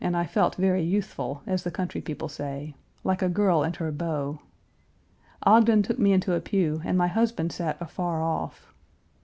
Page 334 youthful, as the country people say; like a girl and her beau. Ogden took me into a pew and my husband sat afar off.